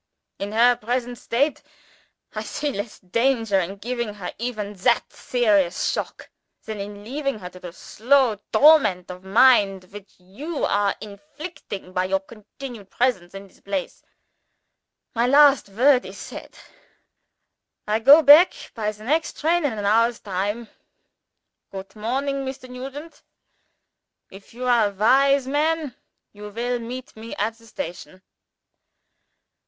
In her present state, I see less danger in giving her even that serious shock than in leaving her to the slow torment of mind which you are inflicting by your continued presence in this place. My last word is said. I go back by the next train, in an hour's time. Good morning, Mr. Nugent. If you are a wise man, you will meet me at the station."